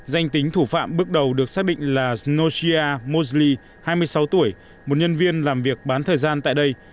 danh tính thủ phạm bước đầu được xác định là slogia mosli hai mươi sáu tuổi một nhân viên làm việc bán thời gian tại đây